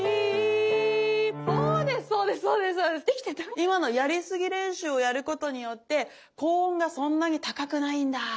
今のやりすぎ練習をやることによって高音がそんなに高くないんだって思わせる